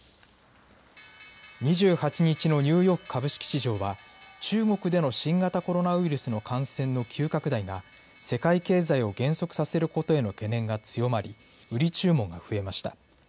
２８日のニューヨーク株式市場は、中国での新型コロナウイルスの感染の急拡大が、世界経済を減速させることへの懸念が強まり、売り注文が増えました。